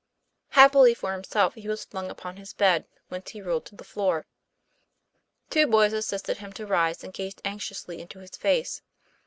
Happily for himself, he was flung upon his bed, whence he rolled to the floor. Two boys assisted him to rise, and gazed anxiously into his face.